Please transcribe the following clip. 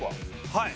はい。